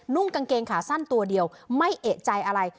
กางเกงขาสั้นตัวเดียวไม่เอกใจอะไร